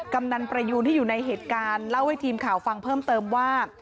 กำนันประยูนที่อยู่ในเหตุการณ์เล่าให้ทีมข่าวฟังเพิ่มเติมว่า